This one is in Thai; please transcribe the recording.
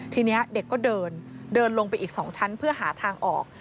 ทีนี้เด็กก็เดินเดินลงไปอีก๒ชั้นเพื่อหาทางออก